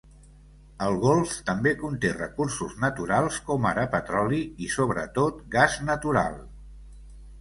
El golf també conté recursos naturals com ara petroli i, sobretot, gas natural.